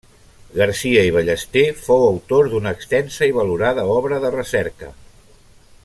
Garcia i Ballester fou autor d’una extensa i valorada obra de recerca.